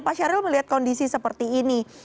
pak syaril melihat kondisi seperti ini